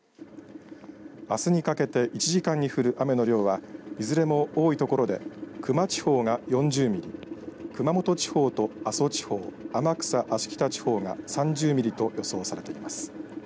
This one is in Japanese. あすにかけて１時間に降る雨の量はいずれも多い所で球磨地方が４０ミリ、熊本地方と阿蘇地方、天草・芦北地方が３０ミリと予想されています。